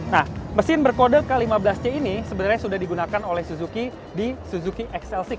nah mesin berkode k lima belas c ini sebenarnya sudah digunakan oleh suzuki xl enam